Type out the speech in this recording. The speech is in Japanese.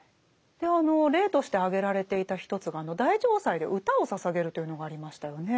で例として挙げられていた一つが大嘗祭で歌を捧げるというのがありましたよね。